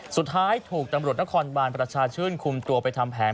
สุดท้ายถูกตำรวจนครบานประชาชื่นคุมตัวไปทำแผน